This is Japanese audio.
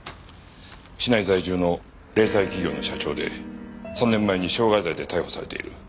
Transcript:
市内在住の零細企業の社長で３年前に傷害罪で逮捕されている。